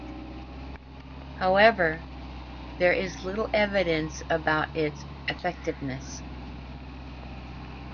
However, there is little evidence about its effectiveness.